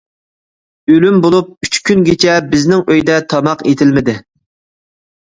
ئۆلۈم بولۇپ ئۈچ كۈنگىچە بىزنىڭ ئۆيدە تاماق ئېتىلمىدى.